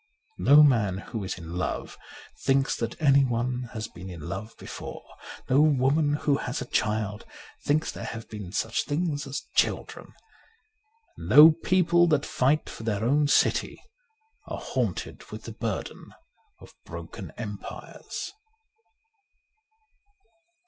No man who is in love thinks that anyone has been in love before. No woman who has a child thinks there have been such things as children. No people that fight for their own city are haunted with the burden of the broken empires.